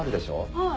はい。